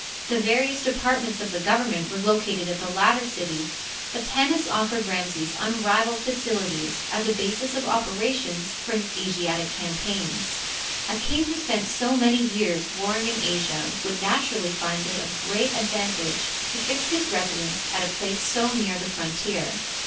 The various departments of the government were located at the latter city, but Tanis of fered Ramses unrivaled facilities as a basis of operations for his Asiatic canipaigns. A king who spent so many years warring in Asia would naturally find it of great ad vantage to fix his residence at a place so near the frontier.